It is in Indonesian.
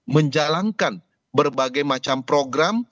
menjalankan berbagai macam program